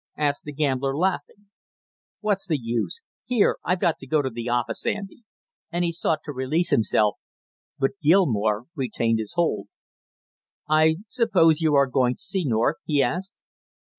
asked the gambler laughing. "What's the use? Here, I've got to go to the office, Andy " and he sought to release himself, but Gilmore retained his hold. "I suppose you are going to see North?" he asked.